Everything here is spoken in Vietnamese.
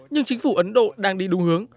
nhưng chính phủ ấn độ đang đi đúng hướng